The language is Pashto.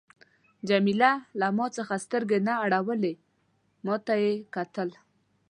جميله له ما څخه سترګې نه اړولې، ما ته یې کتل.